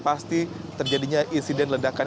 pasti terjadinya insiden ledakan